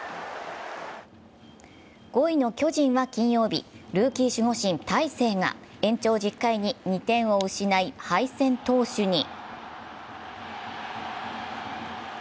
５位の巨人は金曜日、ルーキー守護神・大勢が延長１０回に２点を失い、敗戦投手に。